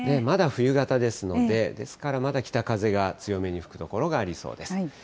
まだ冬型ですので、ですから、まだ北風が強めに吹く所がありそうです。